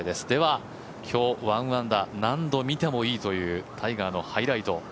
では今日１アンダー、何度見てもいいというタイガーのハイライト